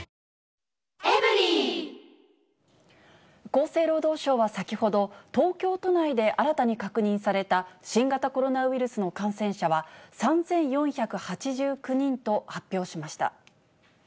厚生労働省は先ほど、東京都内で新たに確認された新型コロナウイルスの感染者は、３４８９人と発表しました。